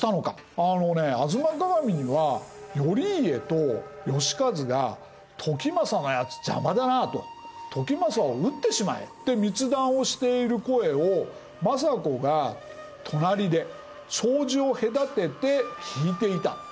「吾妻鏡」には「頼家と能員が『時政のやつ邪魔だなあ』と『時政を討ってしまえ』って密談をしている声を政子が隣で障子を隔てて聞いていた。